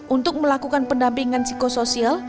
untuk melakukan pendampingan psikososial